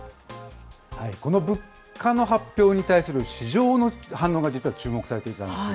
この物価の発表に対する市場の反応が、実は注目されていたんです。